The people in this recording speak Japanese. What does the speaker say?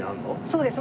そうです。